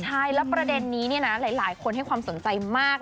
ใช่แล้วประเด็นนี้หลายคนให้ความสนใจมาก